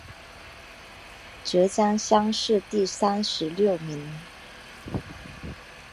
浙江乡试第三十六名。